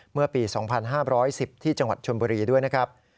เมื่อปี๒๕๑๐ที่จังหวัดชนบุรีด้วยนะครับ